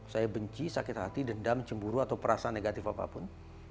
saya benci sakit hati dendam cemburu atau perasaan negatif apapun